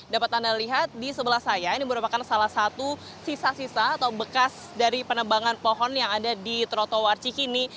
dapat anda lihat di sebelah saya ini merupakan salah satu sisa sisa atau bekas dari penebangan pohon yang ada di trotoar cikini